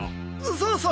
そうそう！